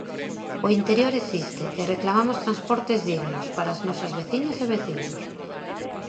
O interior existe e reclamamos transportes dignos para as nosas veciñas e veciños.